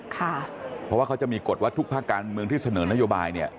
เพราะว่าเขาจะมีกฎว่าทุกภาคการเมืองที่เสนอนโยบายเนี่ย